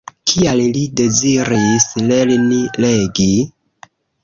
Kial li deziris lerni legi?